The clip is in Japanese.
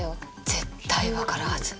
絶対分かるはず。